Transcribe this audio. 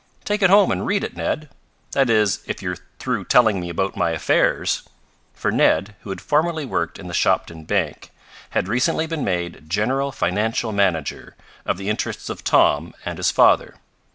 Take it home and read it! Ned. That is if you're through telling me about my affairs," for Ned, who had formerly worked in the Shopton bank, had recently been made general financial manager of the interests of Tom and his father.